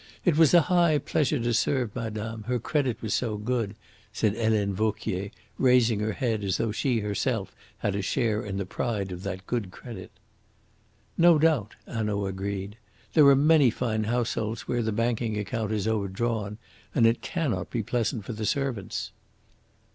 It was a high pleasure to serve madame, her credit was so good," said Helene Vauquier, raising her head as though she herself had a share in the pride of that good credit. "No doubt," Hanaud agreed. "There are many fine households where the banking account is overdrawn, and it cannot be pleasant for the servants."